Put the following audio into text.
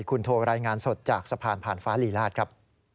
คุณโทรรายงานสดจากสะพานผ่านฟ้าลีราชครับ